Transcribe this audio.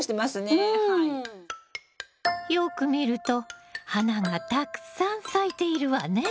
よく見ると花がたくさん咲いているわね！